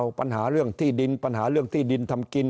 ปัญหาเรื่องที่ดินปัญหาเรื่องที่ดินทำกิน